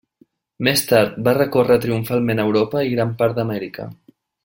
Més tard, va recórrer triomfalment Europa i gran part d'Amèrica.